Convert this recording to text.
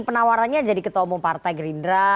penawarannya jadi ketua umum partai gerindra